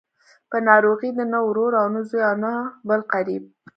په ناروغۍ دې نه ورور او نه زوی او نه بل قريب.